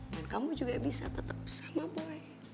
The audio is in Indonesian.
dan kamu juga bisa tetep sama boy